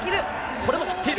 これもきっている。